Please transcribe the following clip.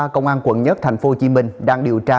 công an quận nhất tp hcm đang điều tra